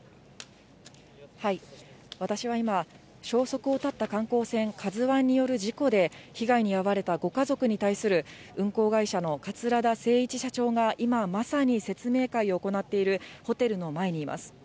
私は今、消息を絶った観光船カズワンによる事故で被害に遭われたご家族に対する運航会社の桂田精一社長が今、まさに説明会を行っている、ホテルの前にいます。